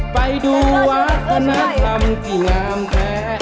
ไปดูวัฒนธรรมที่งามแท้